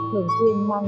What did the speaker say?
thường xuyên mang